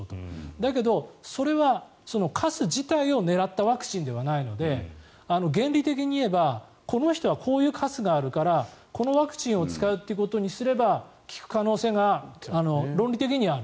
だけど、それはかす自体を狙ったワクチンではないので原理的に言えばこの人はこういうかすがあるからこのワクチンを使うということにすれば効く可能性が論理的にはある。